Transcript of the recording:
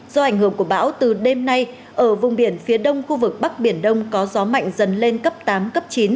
do ảnh hưởng của bão từ đêm nay ở vùng biển phía đông khu vực bắc biển đông có gió mạnh dần lên cấp tám cấp chín